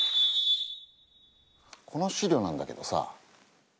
この資料なんだけどさ。